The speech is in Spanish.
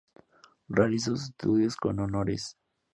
Realizó sus estudios con honores.